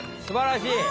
すばらしい。